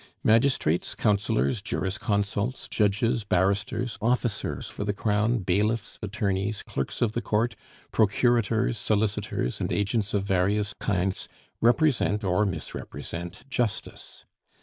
Magistrates, councillors, jurisconsults, judges, barristers, officers for the crown, bailiffs, attorneys, clerks of the court, procurators, solicitors, and agents of various kinds, represent or misrepresent Justice.